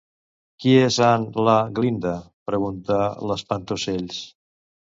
Qui és en/la Glinda? preguntar l'espantaocells.